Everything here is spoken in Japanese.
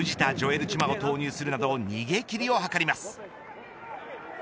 瑠チマを投入するなど逃げ切りを図ります。